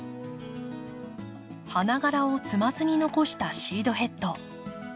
花がらを摘まずに残したシードヘッド。